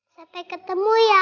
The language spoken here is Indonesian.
sampai ketemu ya mama